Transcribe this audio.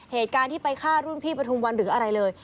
เหตุการณ์ที่ไปฆ่ารุ่นพี่ปฐุมวันหรืออะไรเลย